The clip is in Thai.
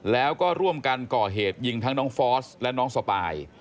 แล้วก็ร่วมกันก่อเหตุยิงทั้งน้องฟอสและน้องสปาย